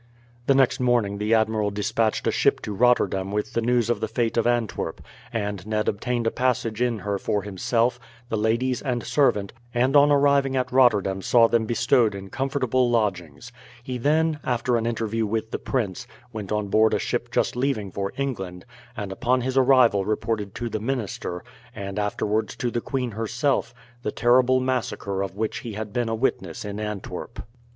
The next morning the admiral despatched a ship to Rotterdam with the news of the fate of Antwerp, and Ned obtained a passage in her for himself, the ladies, and servant, and on arriving at Rotterdam saw them bestowed in comfortable lodgings. He then, after an interview with the prince, went on board a ship just leaving for England, and upon his arrival reported to the minister, and afterwards to the queen herself, the terrible massacre of which he had been a witness in Antwerp.